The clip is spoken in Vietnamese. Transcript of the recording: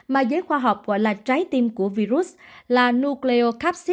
mà giới khoa học gọi là trái tim của virus là nucleocapsid